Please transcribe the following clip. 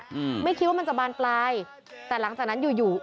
อืมไม่คิดว่ามันจะบานปลายแต่หลังจากนั้นอยู่อยู่